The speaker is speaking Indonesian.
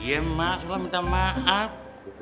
iya mak sulam minta maaf